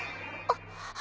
あっ。